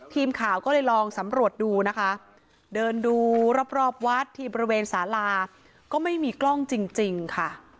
ทีมข่าวก็เลยลองสำรวจดูนะคะเดินดูรอบวัดที่บริเวณสาลาก็ไม่มีกล้องจริงค่ะ